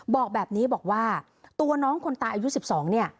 บอกแบบนี้บอกว่าตัวน้องคนตายอายุ๑๒เนี่ย